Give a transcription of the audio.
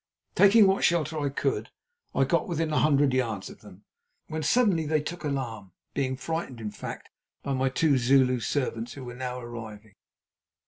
Taking what shelter I could, I got within a hundred yards of them, when suddenly they took alarm, being frightened, in fact, by my two Zulu servants, who were now arriving.